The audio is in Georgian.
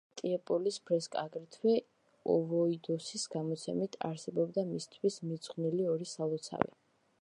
ცნობილია ტიეოპოლის ფრესკა, აგრეთვე ოვოიდოსის გადმოცემით, არსებობდა მისთვის მიძღვნილი ორი სალოცავი.